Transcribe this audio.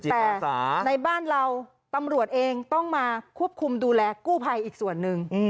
แต่ในบ้านเราตำรวจเองต้องมาควบคุมดูแลกู้ภัยอีกส่วนหนึ่ง